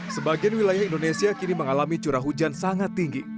sebagian wilayah indonesia kini mengalami curah hujan sangat tinggi